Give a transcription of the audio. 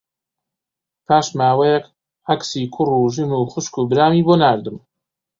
پاش ماوەیەک عەکسی کوڕ و ژن و خوشک و برامی بۆ ناردم